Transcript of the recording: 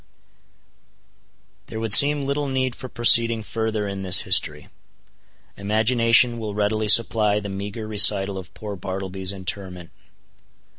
There would seem little need for proceeding further in this history. Imagination will readily supply the meager recital of poor Bartleby's interment.